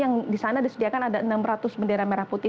yang disana disediakan ada enam ratus bendera merah putih